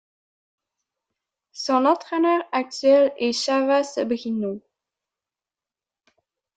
Son entraîneur actuel est Chava Sobrino.